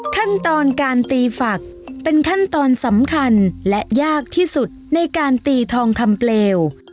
ขั้นตอนการตีฝักเป็นขั้นตอนสำคัญและยากที่สุดในการตีทองคำเปลว